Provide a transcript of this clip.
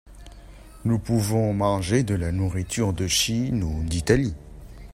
Nous pouvons manger de la nourriture de Chine ou d'Italie.